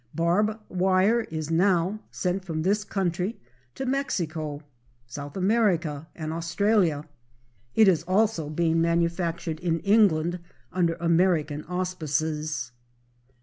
Barb wire is now sent from this country to Mexico, South America, and Australia. It is also being manufactured in England under American auspices.